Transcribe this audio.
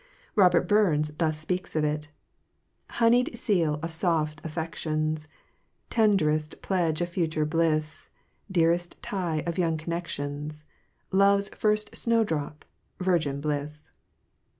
Robert Burns thus speaks of it: Honeyed seal of soft affections, Tenderest pledge of future bliss Dearest tie of young connections. Love's first snowdrop, virgin bliss.